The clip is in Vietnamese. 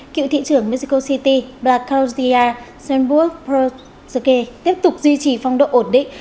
cựu thị trưởng mexico city black carlos d r sainzburg portuguesa tiếp tục duy trì phong độ ổn định